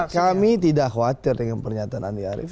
kami tidak khawatir dengan pernyataan andi arief